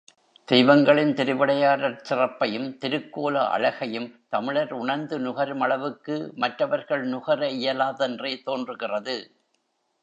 தெய்வங்களின் திருவிளையாடற் சிறப்பையும் திருக்கோல அழகையும் தமிழர் உணர்ந்து நுகரும் அளவுக்கு மற்றவர்கள் நுகர இயலாதென்றே தோன்றுகிறது.